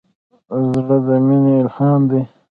زړه د مینې الهام دی.